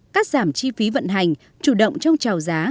cắt giảm chi phí vận hành chủ động trong trào giá